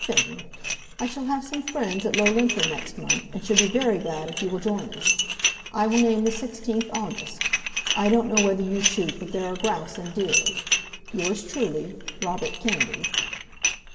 FINN, I shall have some friends at Loughlinter next month, and should be very glad if you will join us. I will name the 16th August. I don't know whether you shoot, but there are grouse and deer. Yours truly, ROBERT KENNEDY.